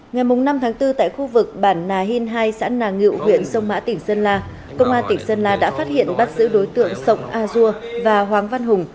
ngày năm tháng bốn tại khu vực bản nà hìn hai xã nà ngự huyện sông mã tỉnh sơn la công an tỉnh sơn la đã phát hiện bắt giữ đối tượng sổng a dua và hoàng văn hùng